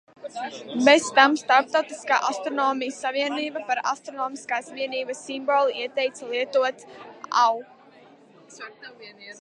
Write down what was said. "Bez tam Starptautiskā Astronomijas savienība par astronomiskās vienības simbolu ieteica lietot "au"."